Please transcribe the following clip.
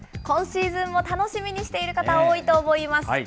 今シーズンも楽しみにしている方、多いと思います。